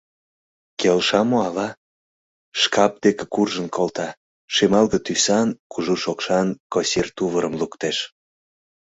Келша мо ала? — шкап деке куржын колта, шемалге тӱсан, кужу шокшан косир тувырым луктеш.